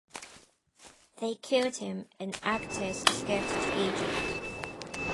They killed him and Actis escaped to Egypt.